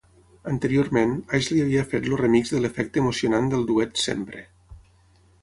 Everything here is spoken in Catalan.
Anteriorment, Ashley havia fet el remix de l'efecte emocionant del duet "Sempre".